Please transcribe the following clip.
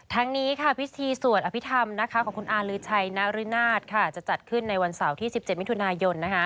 ทั้งนี้พิธีสวดอภิษฐรรมของคุณอาลือชัยนารินาศจะจัดขึ้นในวันเสาร์ที่๑๗มิถุนายน